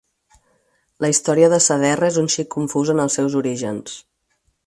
La història de Saderra és un xic confusa en els seus orígens.